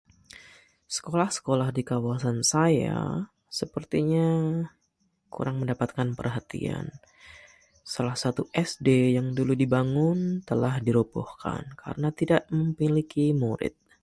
Sekolah sekolah di kawasan saya sepertinya kurang mendapatkan perhatian. Salah satu SD yang dulu dibangun telah dirobohkan kerana tidak memiliki murid.